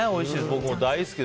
僕も大好き！